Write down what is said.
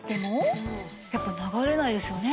やっぱ流れないですよね。